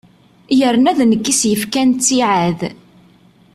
Yerna d nekk i as-yefkan ttiɛad.